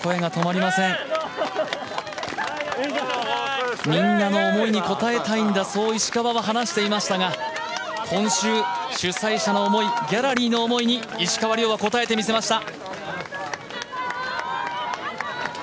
みんなの思いに応えたいんだ、そう石川は話していましたが今週、主催者の思い、ギャラリーの思いに石川遼は応えてみせました。